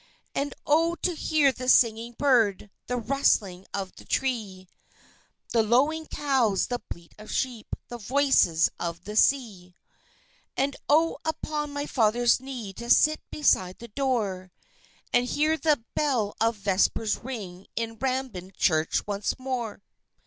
"And Oh, to hear the singing bird, the rustling of the tree, The lowing cows, the bleat of sheep, the voices of the sea; "And Oh, upon my father's knee to sit beside the door, And hear the bell of vespers ring in Rambin church once more!"